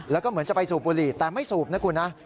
แล้วก็เหมือนจะไปสูบบุหรี่แต่ไม่สูบนะคุณนะ